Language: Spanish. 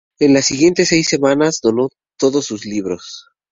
En las siguientes seis semanas donó todos sus libros.